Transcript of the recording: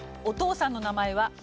お父さんの名前は？